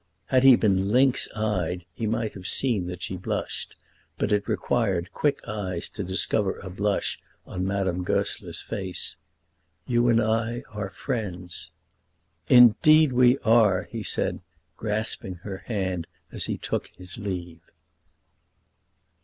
Had he been lynx eyed he might have seen that she blushed; but it required quick eyes to discover a blush on Madame Goesler's face. "You and I are friends." "Indeed we are," he said, grasping her hand as he took his leave.